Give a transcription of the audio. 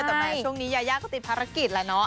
แต่แม่ช่วงนี้ยายาก็ติดภารกิจแหละเนาะ